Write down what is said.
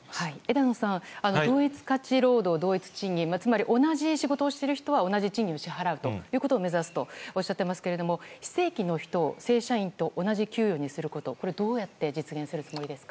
枝野さん同一価値労働同一賃金つまり同じ仕事をしている人は同じ賃金を支払うということを目指すとおっしゃっていますけども非正規の人を正社員と同じ給与にすることをどうやって実現するつもりですか。